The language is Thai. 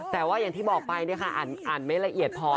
แต่ว่าอย่างที่บอกไปอ่านไม่ละเอียดพอ